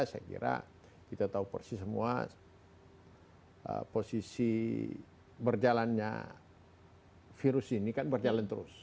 saya kira kita tahu persis semua posisi berjalannya virus ini kan berjalan terus